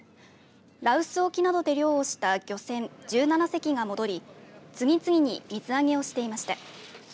羅臼沖など漁をした漁船１７隻が戻り次々に水揚げをしていました。